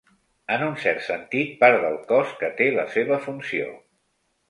En un cert sentit, part del cos que té la seva funció.